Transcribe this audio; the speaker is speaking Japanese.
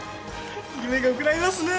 夢が膨らみますね。